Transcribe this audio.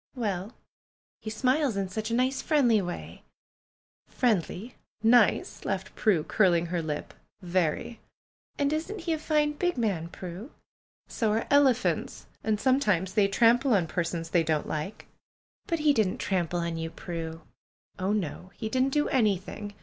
^^Well ! He smiles in such a nice, friendly way !" "Friendly! Nice!" laughed Prue, curling her lip. "Very!" "And isn't he a fine, big man, Prue?" "So are elephants ! And sometimes they trample on persons they don't like." "But he didn't trample on 3 ^ou, Prue?" "Oh, no! lie didn't do anything.